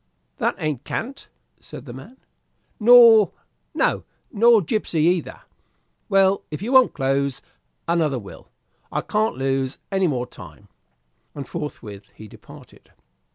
"That a'n't cant," said the man; "no, nor gipsy, either. Well, if you won't close, another will; I can't lose any more time," and forthwith he departed.